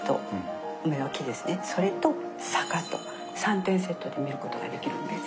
それと坂と３点セットで見る事ができるんです。